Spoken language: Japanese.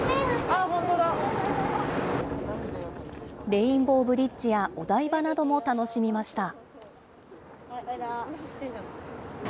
レインボーブリッジやお台場なども楽しみました。